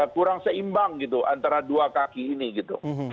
kurang seimbang gitu antara dua kaki ini gitu